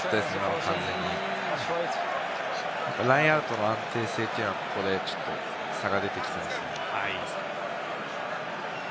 ラインアウトの安定性というのは、ここでちょっと差が出てきますね。